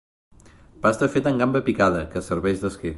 Pasta feta amb gamba picada, que serveix d'esquer.